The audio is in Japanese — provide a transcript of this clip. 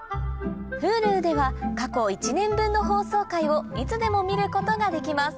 Ｈｕｌｕでは過去１年分の放送回をいつでも見ることができます